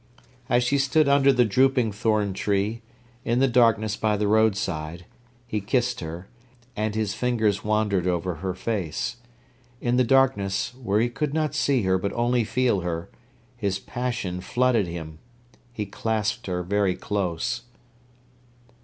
As she stood under the drooping thorn tree, in the darkness by the roadside, he kissed her, and his fingers wandered over her face. In the darkness, where he could not see her but only feel her, his passion flooded him. He clasped her very close.